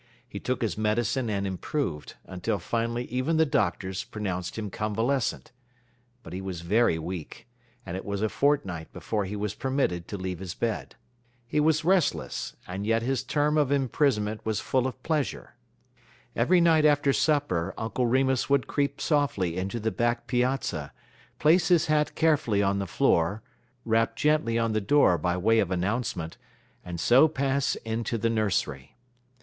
He took his medicine and improved, until finally even the doctors pronounced him convalescent. But he was very weak, and it was a fortnight before he was permitted to leave his bed. He was restless, and yet his term of imprisonment was full of pleasure. Every night after supper Uncle Remus would creep softly into the back piazza, place his hat carefully on the floor, rap gently on the door by way of announcement, and so pass into the nursery.